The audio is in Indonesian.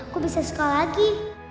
aku bisa sekolah lagi